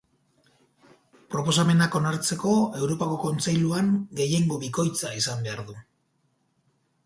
Proposamenak onartzeko Europako Kontseiluan gehiengo bikoitza izan behar du.